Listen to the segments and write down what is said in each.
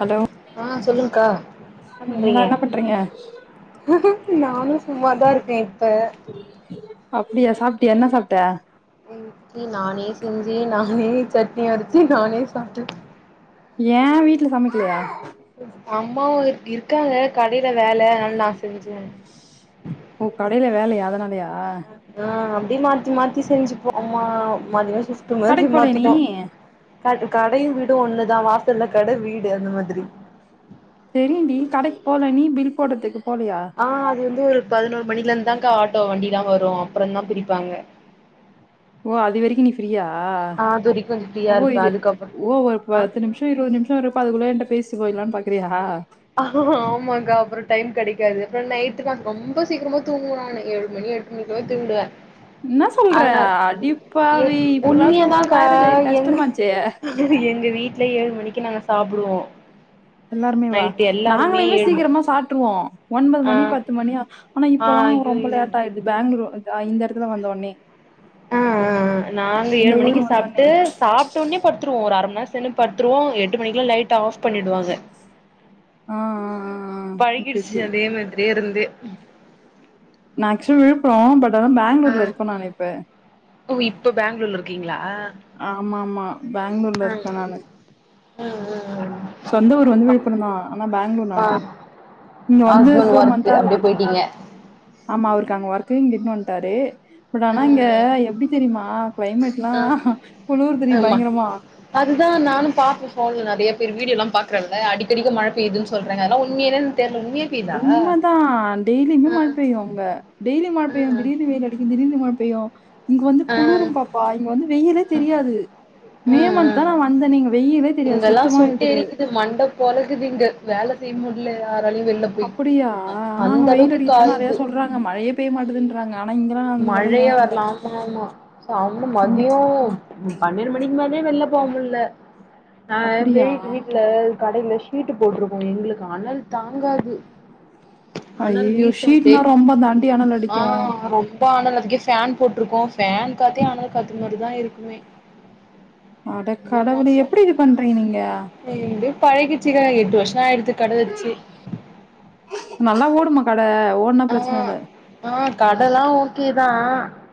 Hello ஆ சொல்லுங்கக்கா என்ன பண்றீங்க நானு சும்மாதா இருக்கே இப்ப அப்பிடியா சாப்ட்டியா என்ன சாப்ட்ட எங் இட்லி நானே செஞ்சி நானே சட்னி அரச்சி நானே சாப்ட்டே ஏ வீட்ல சமைக்கலையா அம்மாவு இருக்காங்க கடைல வேல அனால நா செஞ்சே ஓ கடைல வேலையா அதனாலயா ஆ அம் ப்டி மாத்தி மாத்தி செஞ்சுப்போ அம்மா மாத்தி மாத்தி ஷிப்ட் மாதிரி கடைக்கு போலயா நீ மதிப்போ க கடையு வீடு ஒண்ணுதா வா இத்தல்ல கட வீடு அந்த மாதிரி தெரியுடி கடைக்கு போல நீ பில் போடதுக்கு ஆ அது வந்து ஒரு பதினோரு மணில இருந்தாகா ஆட்டோ வண்டிலா வரு அப்புறோதா பிரிப்பாங்க ஓ அது வரைக்கு நீ ஃப்ரீயா ஆ அது வரைக்கு கொஞ்சோ ஃப்ரீயா அப்போ இருப்பே இது அதுக்கப்புறோ ஓ ஒரு ஆ பத்து நிமிசோ இருவது நிமிசோ இருப்ப அதுக்குள்ள என்ட பேசிட்டுபோயலனு பா க்கிறியா ஆமாக்கா அப்புறோ டைம் கெடைாது அப்புறோ நைட்டு தா ரொம்ப சீக்கிரமா தூங்குவே நானு ஏழு மணி எட்டு மணிக்குலா தூங்கிடுவே என்ன சொல்ற அதனால் எ அடிப்பாவி இப்புல்லா உண்மையாதாக்கா மேரேஜ் ஆயிரு எங் கஷ்டமாச்சே எங்க வீட்டுல ஏழு மணிக்கு நாங்க சாப்புடுவோ எல்லாருமேவா நைட்டு எல்லாருமே நாங்களைமே ஏழு மணி சீக்கிரமா சாப்ட்ருவோ ஒன்பது ஆ மணி பத்து மணியா ஆனா ஆ இப்பல்லா ரொம்ப ஐயையோ லேட் ஆயிட்து பேங்ளூர் தா இந்த எடத்துல வந்தோன்னே ஆ ஆ ஆ நாங்க ஏழு ஊர் மணிக்கு வந்த ஒட்னே சாப்ட்டு சாப்டோன்னே படுத்துருவோ ஒரு அர மண் நே சென்னு பட்த்துருவோ‌ எட்டு மணிக்கிலா லைட் ஆஃப் பண்ணிடுவாங்க ஆ ஆ ஆ ஆ ஓகே பழகிடுச்சு ஓகே அதே மாதிரியே இருந் து நா ஆக்சுவல் விழுப்புரோ பட் அதா பேங்ளூர்ல இருக்கோ நாங்க‌ இப்ப ப பேங்ளூர்ல இருக்கீங்ளா? ஆமாமா பேங்ளூர்ல ஆ இருக்கே நானு ஆ ஆ சொந்த ஊர் வந்து விழப்புரொந்தா ஆனா பேங்ளூர் நானு ஆ ஆ இங்க வந்து ஹஸ்பண்ட் ஃபோர் மந்த் ஒர்க்கு அப்டியே ஆகுது போயிட்டீங்க ஆமா அவருக்கு அங்க ஒர் க்கு இங்க இட்னு வன்ட்டாரு பட் ஆ ஆனா இங்க எப்டி தெரிமா கிளைமேட்லா குளூர்துடி ஆமா பயங்கரமா அதுதான் நானும் பாப்பே ஃபோன்ல நறைய பேர் வீடியோலா பாக்குறேல்ல அடிக்கடிக்க மழபெய்துன் சொல்றாங்க அதுனா உண்மையிலன் உண்ம தா டெய்லியுமே மழ பெய்யு அங்க டெய் லி மழ பெய்யு ம் திடீர்னு வெயில் அடிக்கு திடீர்னு மழப் பெய்யு இங்க வந்து குளுரும் பாப்பா இங்க வந்து வெ யிலே தெரியாது மே ம் மந்த் தா ம் நா வந்தனே இங்க வெய் இங்கெல்லா சுட்டெரிக்குது மண்ட பொலக்குது இங்க வேல செய்ய மு ல்ல அப்புடியா ஆனா அங்க வெயில் அளவுக்கு அடிக்குதுதா நெறைய காயுது சொல்றாங்க மழையே பெய்ய மாட்டெதுன்றாங்க ஆ மழையே வர்ல ஆமாமா சம்ம இங்க மதியோ பன்னெண்டு மணிக்கு மே வெளில போக முள்ள நான் அப்படியா? வீட்டு வீட்டுல கடையில ஷீட்டு போட்டிருக்கோம் எங்களுக்கு அனல் தாங்காது அனல் அய்யயோ வீசு அப்டியே ஷீட்னா ரொம்ப தாண்டிா அனல் அடிக்கும் இப்ப அனல்த்துக்கே ஃபேன் போட்டிருக்கோம் ஃபேன் காத்தே அனல் காத்து மாதிரிதான் இருக்குமே அட ரொம்ப கடவுளே மோசோ எப்படி இது பண்றீங்க நீங்க பழகிருச்சுங்க எட்டு வருஷம் ஆச்சு கடை வச்சு அப்பல்லாம் ஓடு அ ஒன்னும் பிரச்சனை இல்ல கடலாம் ஓகேதான்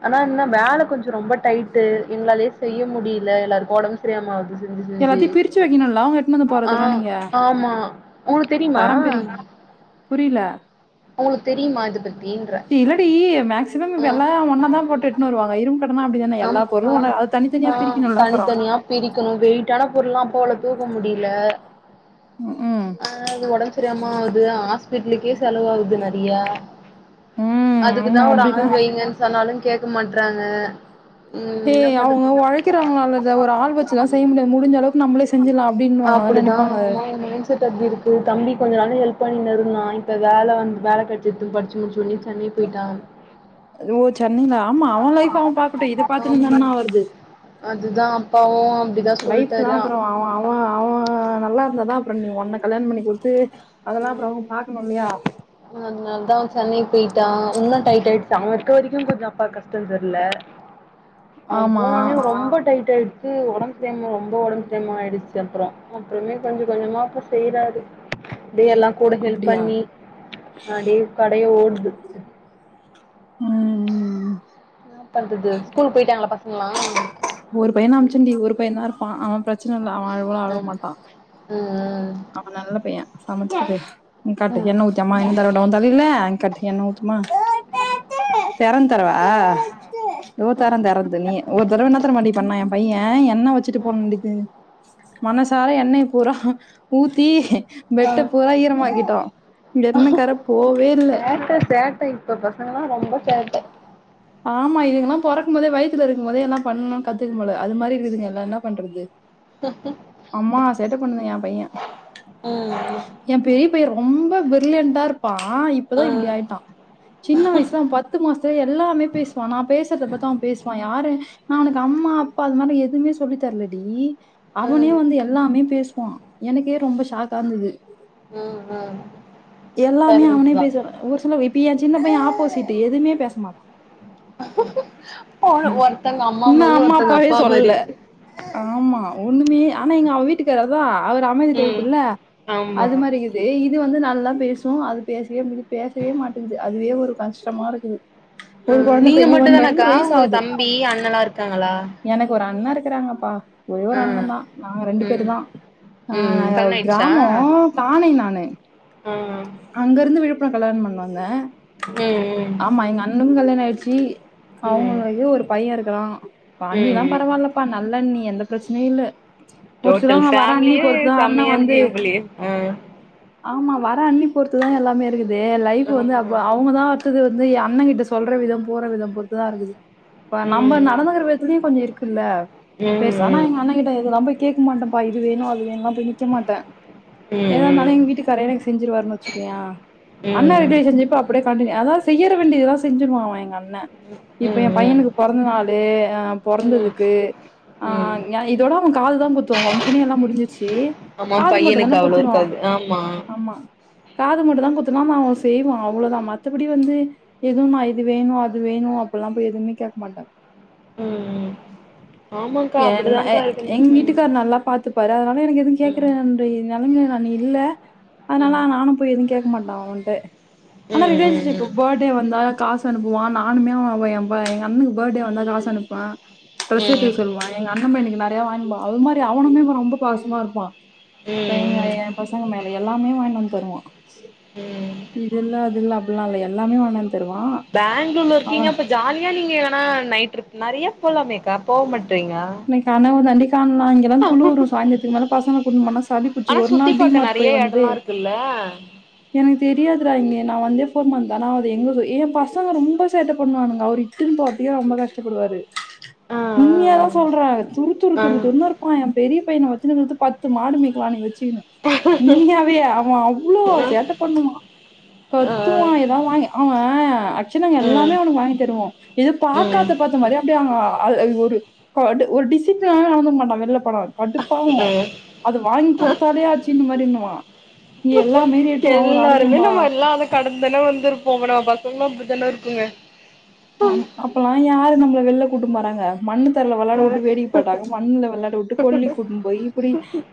ஆனா என்ன வேலை கொஞ்சம் ரொம்ப டைட்டு எங்களாலயே செய்ய முடியல எல்லாருக்கும் உடம்பு சரியாக மாகுது எல்லாத்தையும் பிரிச்சு வைக்கணும்ல உங்க எடுத்துட்டு வந்து ஆ போறதுலாம் நீங்க ஆமா உங்களுக்கு தெரியுமா தரம்பிரிய புரியல உங்களுக்கு தெரியுமா அது இல்லடி மேக்சிமம் இப்ப எல்லாம் ஒன்னா தான் போட்டு எடுத்துன்னனு வருவாங்க இரு ஆம் ஆ ஆஹ் பிரிக்கணும்ல அப்புறம் தனித்தனியா பிரிக்கணும் வெயிட்டான பொருலாம் போல தூக்க முடியல ம் அஹ் அது உடம்பு சரியாம அது ஆன ஹாஸ்பிடலுக்கே செலவாகது நிறைய ம் ஆமா அதுக்குதான் ஒரு ஆள் அப்படிதான் வைங்கன்னு சொன்னாலும் கேட்க மாட்டறாங்க ஏஹய் அவங்க உழைக்கிறாங்களாலத ஒரு ஆள் வச்சுல்லாம் செய்ய முடியாது முடிஞ்ச அளவுக்கு நம்மளே செஞ்சலாம் அப்படின்னு வாங்கான் அப்டிதா நினைப்பாங்க ஆமா எ பண்ணி ந இருந்தான் இப்ப வேலை வந்து வேலை கிடைச்சி எ படிச்சு முடிச்சவோனே ஓ சென்னையில ஆமா அவன் லைப் அவன் பா இத பார்த்துட்டு இருந்தா ஆமா என்னா வருது அதுதா அப்பாவு அப்டிதா லைப் சொல்ட்டாரு லாம் அவன் நல்லா னான் அப்புறம் நீ உன்னனை கல்யாண பண்ணி குடுத்து அதெல்லாம் அப்புறம் அவங்க பாக்கணும் இல்லையா அதனால தான் சென்னை போயிட்டான் இன்னும் டைட் ஆகிடுச்சு அவ இருக்க வரைக்கும் கொஞ்சம் அப்பாக்கு கஷ்டம் தெரியல அவன் ஆமா போனோனே ரொம்ப டைட் ஆகி க்கு ஒடம்பு செரியாம ரொம்ப ஒடம்பு சரியம ஆயிடிச்சி அப்புறோ அப்புறமே கொஞ்ச கொஞ்சமா அப்புறோ செய்றாரு அப்பிடியே எல்லா கூட ஹெல்ப் அப்படியா பண்ணி அடியே கடைய ஓடுது ம் ம் ம் இன்னா பந்தது ஸ்கூல போயிட்டாங்களா பசங்களலா ஒரு பையன அமைச்சண்டி ஒரு பையதா இருப்பா அவே பிரச்சன இல்ல அவன அழவலா அழமாட்டா ம் அப்ப நல்ல பைய்யே ஆமச்சது காட்டு ம் எண்ணெ ஊத்து அம்மா எண்ணெ தடவட்டு ஓ தலையில கட்டு எண்ணெ ஊத்துமா தெறன் தரவா இதோ தர தெறந்து நீ ஒரு தடவை என்ன தரமட்டி இபண்ணா எ பையே எ என்ன வச்சுட்டு ம் போனண்டித்து மனசார எண்ணைய பூற ஊத்தி ஆ பெட்ட பூரா ஈரமாக்கிட்டோ என்னக்கர போவே இல்ல சேட்ட ஆமா இதுங்கெல்லா பொறக்குபோதே வயத்துல இருக்குபோதே எல்லா பண்ணனு கத்துக்குபோல அது மாரி இருக்குதுங்க எல்லா என்ன பண்றது அம்மா சேட்ட பண்ணுது ஏ பையே ம் ஏ பெரிய பைய ரொம்ப பிர்லியண்டார் ப்பா இப்பதா ம் இப்பிடி ம் ஆயிட்டா சின்ன வயசுல பத்து மாசத்துலியே எல்லாமேப் பேசுவா நா பேசுறத பாத்தா அவ பேசுவா யாரு நா அவுனுக்கு அம்மா அப்பா அது மாதிரி எதுமே சொல்லி தரலடி அவனே ம் வந்து எல்லாமே பேஸ் வா எனக்கே ரொம்ப ஷாக்கா இருந்தது ம் ம் எல்லாமே டேலண்ட் அவனே தா பேசற ஒரு சில இப் பியே ஏ சின்ன பையே ஆப்போசிட்டு எதுவுமே பேசமாட்டா ஒரு ஒருத்தங்க இன்னு மாரி அம்மா ஒருத்தங்க அப்பாவே அப்பா மாரி சொல்ல ஆமா ஒண்ணுமே ஆனா இங்க அவ வீட்டுக்கார் அதா அவரு அமைதி ம் டைப்பு இல்ல ஆமா அது மாரி இகுது இது வந்து நா ல்லா பேசு அது பேசவே பேசவே மாட்டேங்கது அதுவே ஒரு கஷ்டமா இருக்குது ம் நீங்க மட்டுதானாக்கா உங்களுக்கு தம்பி அண்ணல்லா இருக்காங்களா எனக்கு ஒரு அண்ணா இருக் க்றாங்கப்பா ஒரே ஒரு ஆ அண்ணன் தான் நாங்க ரெண்டு பேரு ம் தான் ம் ஆஹ் கல்யாண ஆயிடுச்சா கிராமம் தானை நானு ஆ அங்க இருந்து விழுப்புரம் கல்யாணம் பண்ணேன் வாங்க ம் ம் ஆமா எங்க அண்ணனுக்கும் கல்யாணம் ஆயிடுச்சு ஜி ம் அவங்களுதலயும் ஒரு பையன் இருக்கு வா ம் அண்ணி தாம் ம் பரவாயில்லப்பா நல்லண்ணி எந்த பிரச்சனை இல்லை டோட்டல் ஃபேமிலியே செம்மையா வந்து இருக்கீங்க போலயே ஆஹ் ஆமா வர அண்ணி பொறுத்துதான் எல்லாமே இருக்குது இது லைஃப் வந்து ஆமா அப்ப அவங்க தான் அடுத்தது வந்து அண்ணன் கிட்ட சொல்ற விதம் போற விதம் பொறுத்துதான் இருக்குது இப்ப நம்ம ம் நடந்துகிற கொஞ்சம் இருக்குல்ல ம் பெருச ஆனா ம் எங்க அண்ண கிட்டது ரொம்ப கேக்க மாட்டேன்பா இது வேணும் அது வேணலாம் நிக்க மாட்டேன் ம் ஏதாலும் ம் எங்க வீட்டுக்காரே எனக்கு செஞ்சுருவாருனு வச்சிகோயன் ம் அண்ணா ம் ரிலேஷன்சிப் அப்படியே கன்டினுயு அதாவது செய்ய வேண்டியதெல்லாம் செஞ்சடுவன் எங்க என் இப்ப என் ம் ம் பையனுக்கு பிறந்த நாளு ம் போறந்ததுக்கு ம் ஆஹ் இதோட அவன் காதுதான் குத்துவோம் பங்ஷன் எல்லாம் முடிஞ்சிருச்சு ஆமா காது மட்டும் தானே பையனுக்கு அவ்ளோ குத்துனும் இருக்காது ஆமா ஆமா காது மட்டும் தான் குத்துனா அவன் செய்வான் அவ்வளவுதான் மத்தபடி வந்து எதுவும் நான் இது வேணும் அது வேணும் அப்படிலா போய் எதுவுமே கேட்க மாட்டேன் உம் [inaudible] ஏன்னா என் இருக்குன் எங்க ம் வீட்டுக்காரரு நல்லா பார்த்துப்பாரு அதனால எனக்கு எதுவும் கேக்குற ம் ந நிலமை இல்ல ம் அதனால நானும் போய் எதும் கேட்க மாட்டேன் அவன்ட்ட ம் ம் ஆனா ரிலேஷன்ஷிப் ம் பேர்த்டே வந்த காசு அனுப்புவான் நானுமே அவன் என் பர்த்டே எங்க அண்ணுக்கு பர்த்டே வந்தா காசு அனுப்புவேன் ட்ரெஸ் உம் எடுத்துக்க சொல்லுவான். எங்க அண்ண பையனுக்கு நிறைய வாங்கிட்டுபோவேன் அது மாதிரி அவனுமே ரொம்ப பாசமா இருப்பான் இப்போ எங்க ம் என் பசங்க மேல எல்லாமே வாங்கிட்டு வந்து வருவான் உம் இது இல்ல அது இல்ல அப்படில்லாம் இல்ல எல்லாமே தருவான். பெங்களூர்ல இருக்கீங்க அவன் இப்ப ஜாலியா நீங்க ஆ நைட் ட்ரிப் நிறைய போகலாமேக்கா போக மாட் என் கனவு தாண்டி இங்கல்லாம் குளுரும் சாய்ந்திரத்துக்கு மேல பசங்க கூட்டி போனா சளி ஆனா புடிச்சுரு ஒரு சுத்தி நாள் பாக்க டிமார்ட் நெறைய போய் வந்ததே எடல்லா இருக்குல்ல எனக்கு தெரியாதுடா இங்க நான் வந்து மந்த் ஆனா அது எங்க என் பசங்க ரொம்ப சேட்டை பண்ணுவானுங்க அவர் இட்டுன்னு போறத்துக்கே ரொம்ப கஷ்டப்படுவாரு ஆ உண்மையா சொல்றேன் துரு துரு ஆ துரு துருன்னு இருப்பான் என் பெரிய பையன வச்சுருக்குறதுக்கு பத்து மாடு மேய்க்கலா நீ வச்சு மெய்யாவே அவன் அவ்ளோ ஆ ஆ சேட்டை பண்ணுவான் ஆ கத்துவான் ஏதான் வாங்கி அவன் அக்சலா ஆ ம் எல்லாமே அவனுக்கு வாங்கி தருவோம் எது ம் பாக்காத பார்த்த மாரியே அப்டியே அவ அ அது ஒரு கடு ஒரு டிசிப்ளினாவே நடந்துக்கமாட்டா வெளில போனா கடுப்பாவும் ம் அது வாங்கி குடுத்தாலே ஆச்சு இந்த மாரி ஆ எல்லாருமே நம்ம எல்லாம் அத கடந்து தானே வந்துருப்போம் பூரா பசங்களும் அப்டித்தானே இருக்குங்க ஆ அப்பலாம் யாரு நம்மள வெள்ல கூட்டு போனாங்க மண்ணு தரல வெளையாட உட்டு கரெக்ட் வேடிக்கைப்பட்டாங்க மண்ணுல விளையாட விட்டு கொல்லைக் கூட்டு போய் இப்படி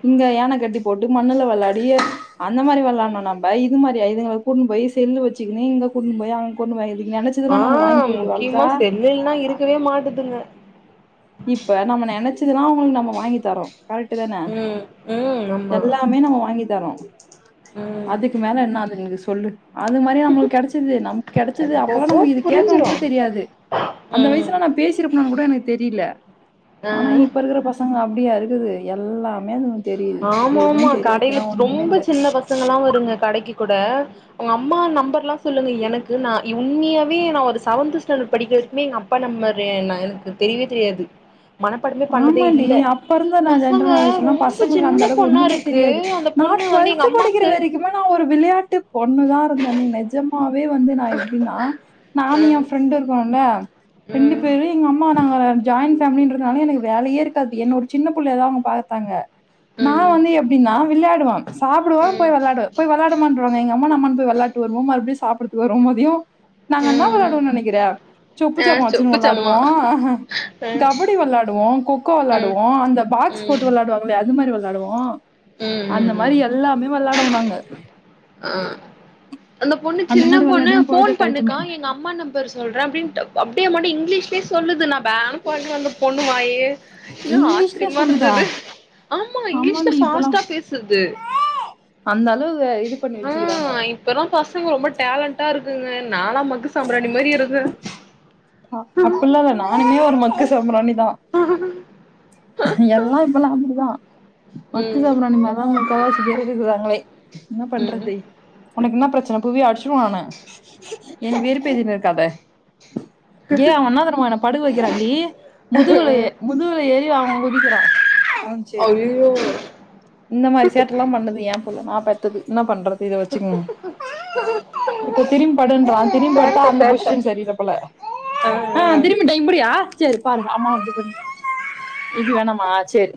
இங்க யானை கட்டி போட்டு எ மண்ணுல வெளயாடியே அந்த மாரி வெளயாண்டம் நம்ம இது மாரி இதுங்கள கூட்னு போய் செல்லு வச்சுக்கனு இங்க கூட்னு போய் அங்க கொண்டு போய் நினச்சதுனா ஆ நம்ம வாங்கி குடுத்து முக்கியமா வளத்தா செல்லு இல்லனா இருக்கவே மாட்டுதுங்க சதெல்லாம் அவங்களுக்கு நம்ம வாங்கி தரோம் கரெக்ட் தானே ம் ம் ஆமா எல்லாமே நம்ம வாங்கி தரோம் ம் அதுக்கு மேல என்ன அது நீங்க சொல்லு அது மாரி நம்மளுக்கு கெடச்சது நமக்கு கெடச்சது அது போக அப்பலாம் நம்ம போக இது கேக்கனும் புரிஞ்சிரு கூட தெரியாது அந்த ம் வயசுல நா பேசிருப்பனானு கூட எனக் தெரில ஆ ஆனா இப்ப இருக்குற பசங்க அ ப்டியா இருக்குது எல்லாமே அதுங்க தெரியுது ஆமாமா எதுவும் கடைல தெரியாதுன்னா ஒண்ணுமே ரொம்ப இல்ல சின்ன பசங்கலா வருங்க கடக்கி கூட ஒங்க அம்மா நம்பர்லா சொல்லுங்க எனக்கு நா உண்மையாவே நா ஒரு செவன்த்து ஸ்டாண்டட் படிக்கிற வர்க்குமே எங்க அப்பா நம்பர் என்ன எனக்கு தெரியவே தெரியாது மனப்பாடமே பண்ணதே ஆமான்டி இல்ல அப்பருந்த நா பசங்க ஜென்ரல் நாலேஜுல்லா ப ரொம்ப சங்களுக்கு சின்ன அந்தளவ்க்கு பொண்ணா ஒன்னுமே இருக்கு தெரியாது அந்த நா பொண்ணு வந்து எங்க ட்வல்த்து படிக்கிற அம்மாக்கு வரைக்குமே நா ஒரு விளையாட்டு பொண்ணு தா இருந்தனே நெஜமா வே வந்து நா எப்டின்னா நானு எ ம் ஃப்ரெண்டு இருக்கோல்ல ரெண்டு ம் பேரு எங்க அம்மா நாங்க ஜாயி ன் ஃபேமிலின்றதுனால எனகு வேலயே இருக்காது என்ன ஒரு சின்ன புள்ளையா தா அவுங்க பாத்தாங்க நா ம் வந்து எப்டின்னா விள்யாடுவோ சாப்டுவ போய் ம் வெளாடுவ போய் வெளாடுடாமான்ருவாங்க எங்க அம்மானா அம்மான் போய் வெள் ளாட்டு வருவோ மறுப்டியு சாப்புறத்துக்கு வருவோ மதியோ நாங்க என்னா வெளாடுவோன் நெனக்கிற சொப்புச்சாமா வச்சுன்னு வெளாடுவோ கபடி வெளா டுவோ கொக்கோ வெளாடுவோ அந்த பாக்ஸ் போட்டு வெளாடுவாங்ளே அது மாரி வெளாடுவோ அந்த மாரி எல்லாமே வெளாடுவோ நாங்க ஆ அந்த பொண்ணு சின்ன மாரி பொண்ணு வெளாடிதா ஃபோன் பொழுத பண்ணுக்கா கழிச்சோமே எங்க அம்மா நம்பர் சொல்றே அப்டின்ட்டு அப்டியே மாட இங்லீஷ்லே சொல்லுது நா பேன்னு பாக்குறே அந்த பொண்ணு வாயே இன்னு இங்லிஷ்ல ஆச்சரியமா சொல்லுதா இருந்தது ஆமா இங்கிலீஷ்ல ஆமான்டி இப்பல்லா ஃபாஸ்ட்டா பேசுது அந்த அளவு இது பண்ணி வெச்சுக்கிறாங்க ப்பலா பசங்க ரொம்ப டேலண்ட்டா இருக்குங்க நாலா மக்கு சாம்பிராணி மாரி இருந்தே அ அப்புல்லா இல்ல நானுமே ஒரு மக் கு சாம்ராணி தா எல்லா இப்பலா அப் பிடிதா மக்கு ம் சாம்பிரணி மாரிதா முக்காவாசி பேர் இருக்குறாங்களே என்ன ம் பண்றது உனக்கு என்னா பிரச் பிரச்சன புவி அடுச்சுருவ நானு என்ன வெறுப்பேத்தினு இருக்காத ஏ அவ என்ன தெரிமா என்ன படுக்க வெக்கிறாண்டி முதுகுல ஏ ம் முதுகுல ஏறி அவ [unintelligible] குதிக்குறா ஆ சேர் அய்யய்யோ இந்த மாரி சேட்டல்லாம் பண்ணுது ஏம் [unintelligible] நா பெத்தது நா பண்றத் இத வெச்சுக்கங்க இப்ப திரும்பி படுன்றா படுத்தா சேட்ட அந்த சேட்ட பொஷிஷன் செரியில்ல போல ஆ திரும்பிட்ட இப்டியா சேரி பாருங்க அம்மா அப்டின் [unintelligible] இது வேணாமா சேர்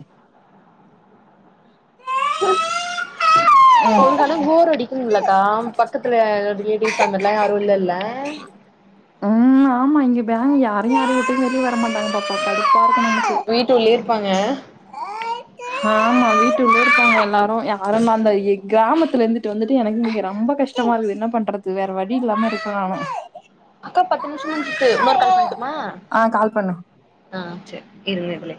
[unintelligible] ம் போர் அடிக்குங்லக்கா பக் பக்கத்துல எது ரிலேடிவ்ஸ் அந்த மாரில்லா யாரு இல்லல்ல ம் ஆமா இங்க [unintelligible] வீட்டுக்குள்ளயே இருக் இருப்பாங்க ஆமா வீட்டு உள்ளயே இருக்காங்க எல்லாரு யாருல்லா அந்த எ கிராமத்துல இருந்துட்டு வந்துட்டு எனக்கு இங்க ரொம்ப கஷ்டமா இருக்குது என்ன பண்றது வேற வழி இல்லாம இருக்க நானு அக்கா பத்து நிம்ஷோ முடுஞ்சுட்டு இன்னொரு கால் பண்ட்டுமா ஆ கால் பண்ணு ஆ சேர் இருந்து புள்ளே